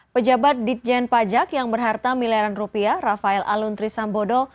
pejabat ditjen pajak yang berharta miliaran rupiah rafael aluntri sambodo